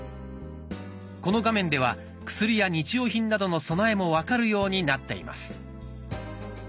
この画面では薬や日用品などの備えも分かるようになっています。